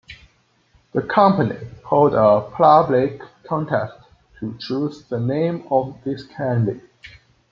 The company held a public contest to choose the name of this candy.